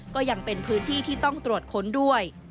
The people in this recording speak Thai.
ก็ยังเป็นพื้นที่ที่ต้องตรวจค้นด้วย